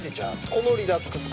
このリラックス感。